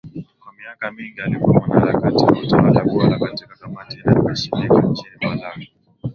Kwa miaka mingi alikuwa mwanaharakati wa utawala bora katika kamati inayoheshimika nchini Malawi ya